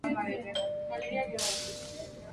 Fue enterrado en el cementerio Forest Lawn de Buffalo.